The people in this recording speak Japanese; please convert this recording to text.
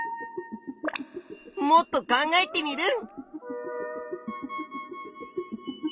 もっと考えテミルン。